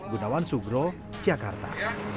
gunawan sugro jakarta